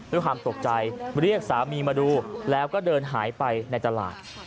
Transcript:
ด้วยความตกใจเรียกสามีมาดูแล้วก็เดินหายไปในตลาด